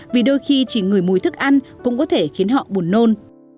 vì đôi khi chỉ ngửi mùi thức ăn cũng có thể khiến họ buồn nôn